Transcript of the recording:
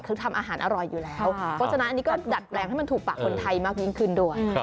เพราะฉะนั้นอันนี้ก็ดัดแรงให้มันถูกปะคนไทยมากยิ่งขึ้นด้วย